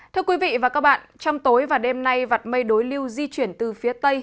thưa quý vị và các bạn trong tối và đêm nay vặt mây đối lưu di chuyển từ phía tây